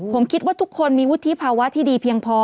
ผมคิดว่าทุกคนมีวุฒิภาวะที่ดีเพียงพอ